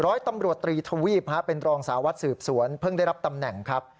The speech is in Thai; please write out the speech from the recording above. ร้อยตำรวจตรีทวีปเป็นรองสาววัดสืบสวนเพิ่งได้รับตำแหน่งครับ